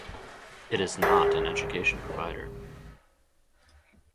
It is not an education provider.